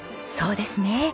そうですね。